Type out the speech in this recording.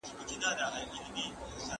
¬ مرگ مشر او کشر ته نه گوري.